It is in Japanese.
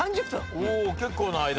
結構な間。